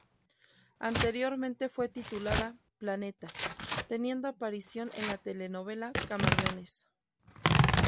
Anteriormente fue titulada ""Planeta"", teniendo aparición en la telenovela "Camaleones".